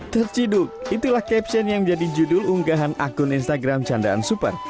terciduk itulah caption yang menjadi judul unggahan akun instagram candaan super